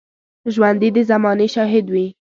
ژوندي د زمانې شاهد وي